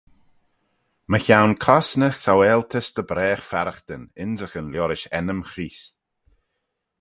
Mychione cosney saualtys dy bragh farraghtyn ynrican liorish ennym Chreest.